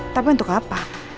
tapi untuk apa